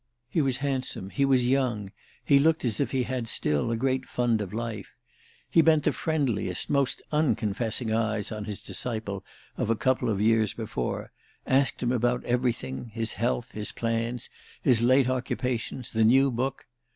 He was handsome, he was young, he looked as if he had still a great fund of life. He bent the friendliest, most unconfessing eyes on his disciple of a couple of years before; asked him about everything, his health, his plans, his late occupations, the new book.